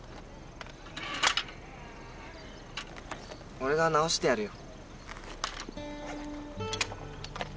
俺が直してやるよ。